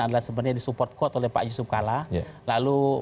adalah sebenarnya disupport quote oleh pak yusuf kala